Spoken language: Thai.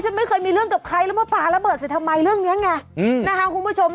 จะได้ไม่ผิดกฎหมายนะครับ